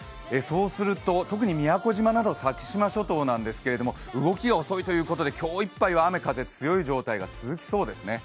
特に宮古島など先島諸島なんですけれども、動きが遅いということで今日いっぱいは雨風強い状態が続きそうですね。